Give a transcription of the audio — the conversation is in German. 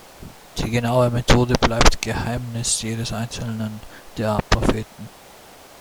Die genaue Methode bleibt Geheimnis jedes einzelnen der Propheten.